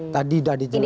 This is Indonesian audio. tadi udah dijelaskan